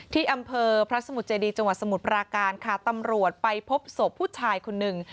ที่อำเภอพระสมุทรเจดีจังหวัดสมุทรปราการค่ะตำรวจไปพบศพผู้ชายคนหนึ่ง